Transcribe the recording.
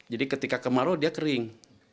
jadi ketika kemarau dia kering